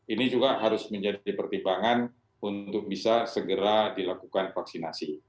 ini juga harus menjadi pertimbangan untuk bisa segera dilakukan vaksinasi